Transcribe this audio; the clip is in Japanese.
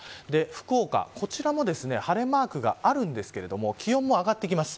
福岡、こちらも晴れマークがあるんですが気温も上がってきます。